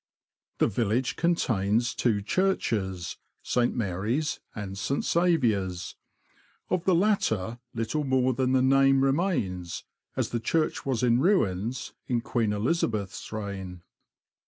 The village contains two churches, St. Mary's and St. Saviour's ; of the latter little more than the name remains, as the church was in ruins in Queen Elizabeth's reign.